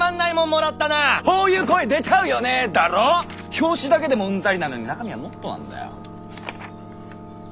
表紙だけでもウンザリなのに中身はもっとなんだよ。